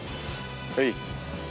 はい。